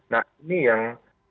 nah ini yang